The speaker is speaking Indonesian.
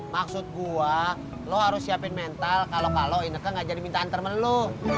maksud gue lo harus siapin mental kalau kalau ineke gak jadi minta antarmelu